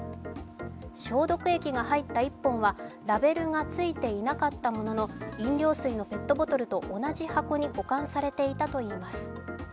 消毒液が入った１本はラベルがついていなかったものの飲料水のペットボトルと同じ箱に保管されていたといいます。